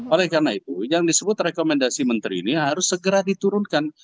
oleh karena itu yang disebut rekomendasi menteri ini harus segera diturunkan